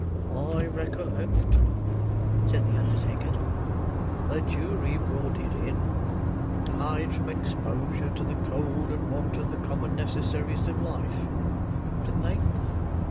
"I recollect," said the undertaker. "The jury brought it in, 'Died from exposure to the cold, and want of the common necessaries of life,' didn't they?"